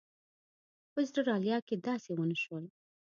په اسټرالیا کې داسې ونه شول.